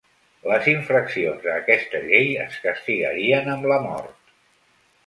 Les infraccions a aquesta llei es castigarien amb la mort.